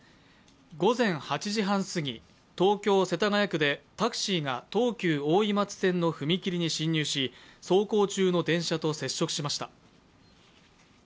午前８時半すぎ、東京・世田谷区でタクシーが東急大井町線の踏み切りに進入し走行中の電車と接触しました。